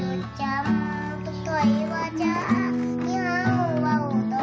ไม่ว่าจะมีคำสัญญามันเคยคิดสัญญานักควรอยู่